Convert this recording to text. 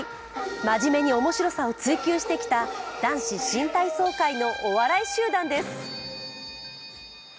真面目に面白さを追求してきた男子新体操界のお笑い集団です。